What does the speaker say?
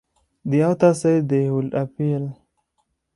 The authors said they would appeal.